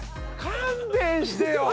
「勘弁してよ」